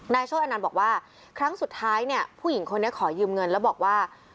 โชธอนันต์บอกว่าครั้งสุดท้ายเนี่ยผู้หญิงคนนี้ขอยืมเงินแล้วบอกว่า